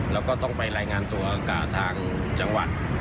แล้วก็ต้องไปรายงานตัวกับทางจังหวัด